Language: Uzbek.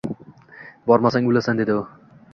Bormasang o’lasan dedi u.